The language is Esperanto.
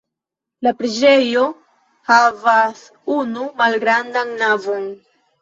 La preĝejo havas unu malgrandan navon.